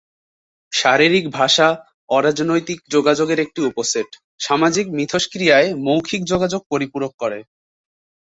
শারীরিক ভাষা, অরাজনৈতিক যোগাযোগের একটি উপসেট, সামাজিক মিথস্ক্রিয়ায় মৌখিক যোগাযোগ পরিপূরক করে।